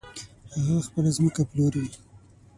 هغه خپله ځمکه پلوري .